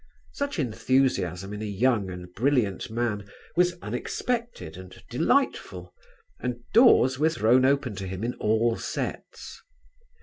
Such enthusiasm in a young and brilliant man was unexpected and delightful and doors were thrown open to him in all sets.